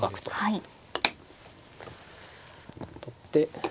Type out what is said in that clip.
はい。